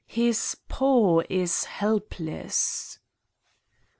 His paw is help less!''